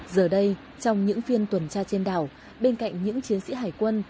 giờ đây trong những phiên tuần tra trên đảo bên cạnh những chiến sĩ hải quân